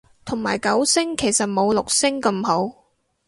同埋九聲其實冇六聲咁好